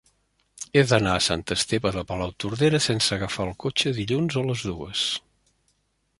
He d'anar a Sant Esteve de Palautordera sense agafar el cotxe dilluns a les dues.